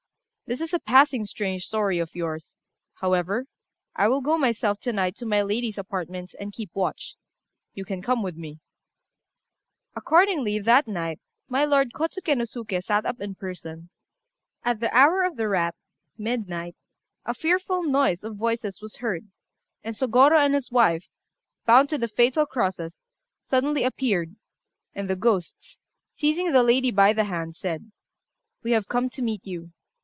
"This is a passing strange story of yours; however, I will go myself to night to my lady's apartments and keep watch. You can come with me." Accordingly, that night my lord Kôtsuké no Suké sat up in person. At the hour of the rat (midnight) a fearful noise of voices was heard, and Sôgorô and his wife, bound to the fatal crosses, suddenly appeared; and the ghosts, seizing the lady by the hand, said "We have come to meet you.